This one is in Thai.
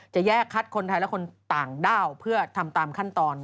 จะแยกคัดคนไทยและคนต่างด้าวเพื่อทำตามขั้นตอน